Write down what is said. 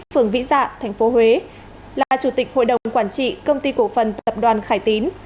phường vĩ dạ tp huế là chủ tịch hội đồng quản trị công ty cổ phần tập đoàn khải tín